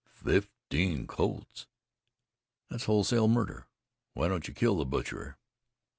"Fifteen colts! That's wholesale murder. Why don't you kill the butcher?"